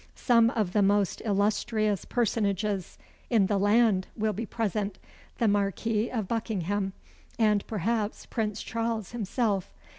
Some of the most illustrious personages in the land will be present the Marquis of Buckingham, and perhaps Prince Charles himself.